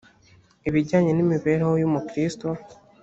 ibijyanye n’imibereho y’umukristo